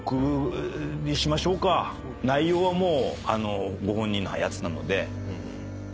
内容はもうご本人のやつなのでせっかく今日。